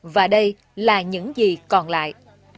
và đây là những gì còn lại